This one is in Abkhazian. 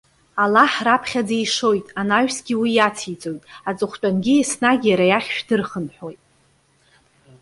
Аллаҳ, раԥхьаӡа ишоит, анаҩсгьы уи иациҵоит. Аҵыхәтәангьы еснагь иара иахь шәдырхынҳәуеит.